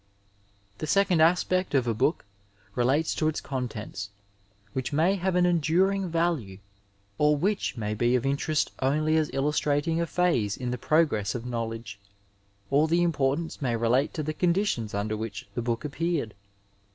Ill The second aspect of a book relates to its contents, which may have an enduring value or which may be of interest only as illustrating a phase in the progress of knowledge, or the importance may relate to the conditions under which the book appeared.